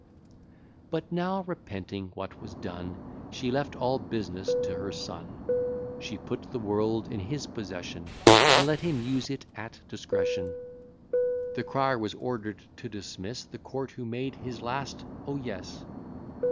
"But now, repenting what was done, She left all business to her son; She put the world in his possession, And let him use it at discretion." The crier was order'd to dismiss The court, who made his last "O yes!"